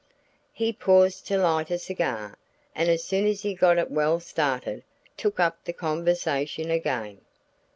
He paused to light a cigar and as soon as he got it well started took up the conversation again.